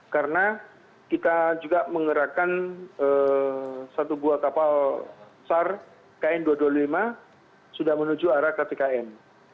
karena kita juga menggerakkan satu buah kapal sar kn dua ratus dua puluh lima sudah menuju arah kpkn